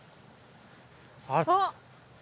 あっ。